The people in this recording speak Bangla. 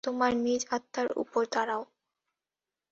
তোমার নিজ আত্মার উপর দাঁড়াও।